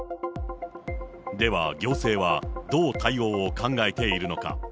では行政は、どう対応を考えているのか。